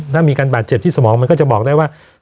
ถ้ามีการบาดเจ็บที่สมองมันก็จะบอกได้ว่า